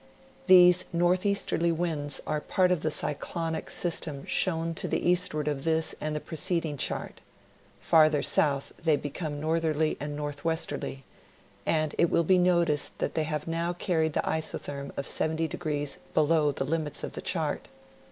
These northeasterly winds are part of the cyclonic system shown to the eastward of this and the preceding chart ; farther south they become north erly and northwesterly, and it will be noticed that they have now carried the isotherm of 70° below the limits of the chart.